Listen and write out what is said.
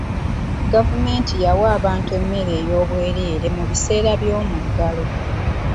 Gavumenti yawa abantu emmere ey'obwereere mu biseera by'omuggalo.